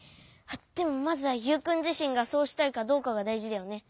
あっでもまずはユウくんじしんがそうしたいかどうかがだいじだよね。